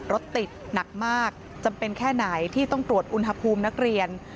รถติดหนักมากจำเป็นแค่ไหนที่ต้องตรวจอุณหภูมินักเรียน